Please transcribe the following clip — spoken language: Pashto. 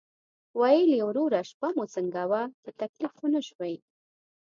ویل یې: "وروره شپه مو څنګه وه، په تکلیف خو نه شوئ؟"